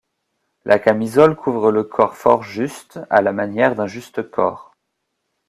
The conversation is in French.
La camisole couvre le corps fort juste à la manière d'un juste corps.